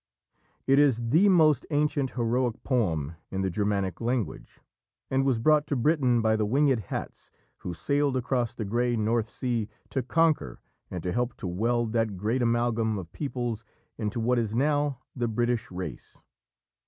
It is "the most ancient heroic poem in the Germanic language," and was brought to Britain by the "Wingèd Hats" who sailed across the grey North Sea to conquer and to help to weld that great amalgam of peoples into what is now the British Race.